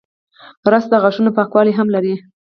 رس د غاښونو پاکوالی هم لري